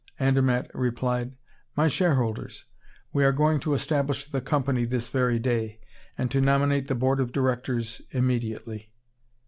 Andermatt replied: "My shareholders. We are going to establish the Company this very day, and to nominate the board of directors immediately."